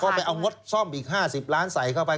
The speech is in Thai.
ก็ไปเอางดซ่อมอีก๕๐ล้านใส่เข้าไป